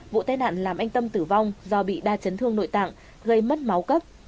vụ tai nạn làm anh tâm tử vong do bị đa chấn thương nội tạng gây mất máu cấp